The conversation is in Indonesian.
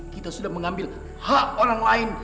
kita sudah mengambil hak orang lain